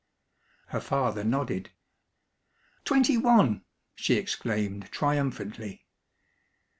Her father nodded. "Twenty one!" she exclaimed triumphantly.